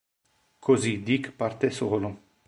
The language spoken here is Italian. Così Dick parte solo.